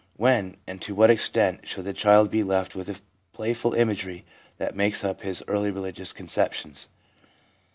When, and to what extent, should the child be left with the playful imagery that makes up his early religious conceptions